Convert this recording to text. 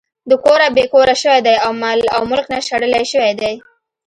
د کوره بې کوره شوے دے او ملک نه شړلے شوے دے